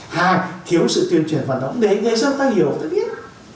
hai thiếu sự tuyên truyền vận động để người dân ta hiểu người ta biết